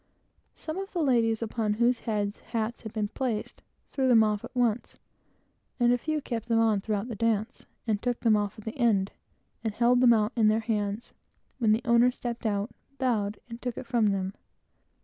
Some of the ladies, upon whose heads hats had been placed, threw them off at once, and a few kept them on throughout the dance, and took them off at the end, and held them out in their hands, when the owner stepped out, bowed, and took it from them.